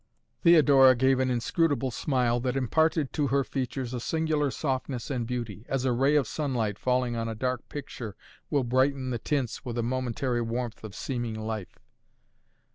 Theodora gave an inscrutable smile that imparted to her features a singular softness and beauty, as a ray of sunlight falling on a dark picture will brighten the tints with a momentary warmth of seeming life.